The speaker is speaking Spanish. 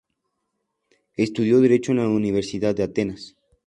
Estudió derecho en la Universidad de Atenas.